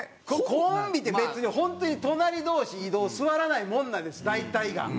コンビって別に本当に隣同士移動座らないものなんです大体が。